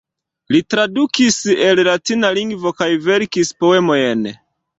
Li tradukis el latina lingvo kaj verkis poemojn.